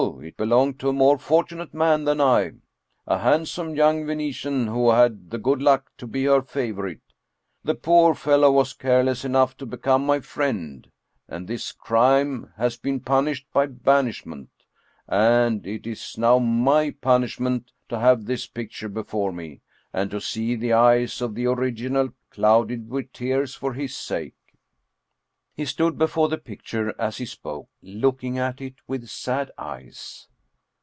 It belonged to a more fortunate man than I a handsome young Venetian who had the good luck to be her favorite. The poor fellow was careless enough to be come my friend, and this crime has been punished by ban ishment. And it is now my punishment to have this picture before me, and to see the eyes of the original clouded with tears for his sake." He stood before the picture as he spoke, looking at it with sad eyes.